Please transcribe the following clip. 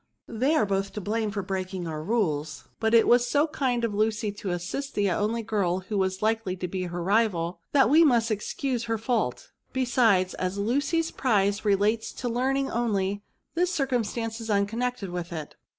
They are both to blame for breaking our rules ; but it was so kind of Lucy to assist the only girl who was likely to be her rival, that we must excuse her fault. Besides, as Lucy's prize relates to learning only, this circumstance is uncon* nected with it.